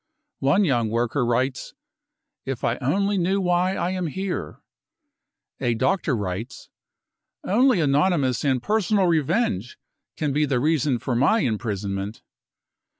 One young worker writes :" If I only knew why I am here." A doctor writes : <c Only anonymous and personal revenge can be the reason for my imprisonment.